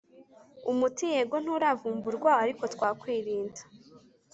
Umuti yego nturavumburwa arko twakwirinda